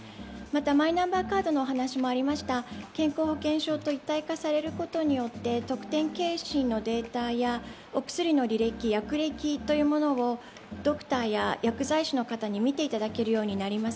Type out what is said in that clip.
マイナンバーカードのお話もありました健康保険証と一体化されることによって薬歴などのデータをドクターや薬剤師の方に見ていただけるようになります。